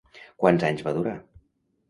Quants anys va durar?